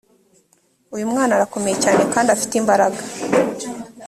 uyu mwana arakomeye cyane kandi afite imbaraga